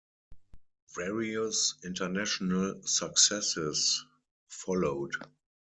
Various international successes followed.